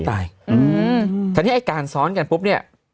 ทีนี้การซ้อนกันปุ๊บเนี่ย